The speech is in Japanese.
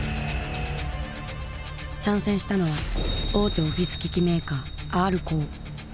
参戦したのは大手オフィス機器メーカーＲコー。